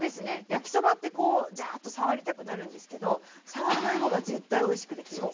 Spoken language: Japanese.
焼きそばってこうジャーッと触りたくなるんですけど触らない方が絶対おいしくできるんですよ。